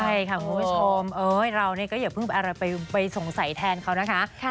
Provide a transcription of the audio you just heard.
ใช่ค่ะคุณผู้ชมเรานี่ก็อย่าเพิ่งอะไรไปสงสัยแทนเขานะคะ